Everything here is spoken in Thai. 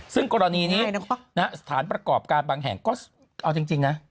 ซึ่งกรณีนี้สถานประกอบการบางแห่งก็เอาจริงนะ